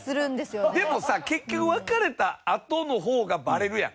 でもさ結局別れたあとの方がバレるやん。